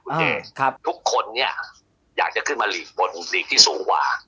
คุณเอกทุกคนเนี่ยอยากจะขึ้นมาหลีกบนหลีกที่สูงกว่า